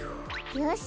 よし！